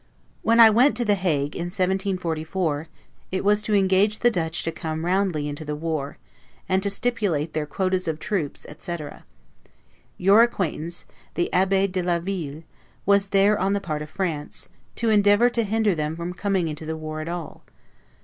When I went to The Hague, in 1744, it was to engage the Dutch to come roundly into the war, and to stipulate their quotas of troops, etc.; your acquaintance, the Abbe de la Ville, was there on the part of France, to endeavor to hinder them from coming into the war at all.